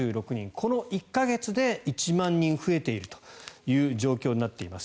この１か月で１万人増えているという状況になっています。